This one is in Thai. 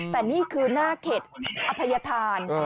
แต่นี่คือหน้าเข็ดอภัยธาน